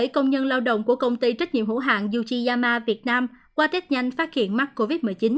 tám mươi bảy công nhân lao động của công ty trách nhiệm hữu hạng yuchiyama việt nam qua test nhanh phát hiện mắc covid một mươi chín